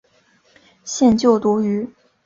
现就读于。